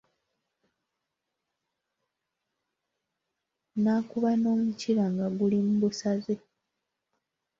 Naakuba n'omukira nga guli mu busaze.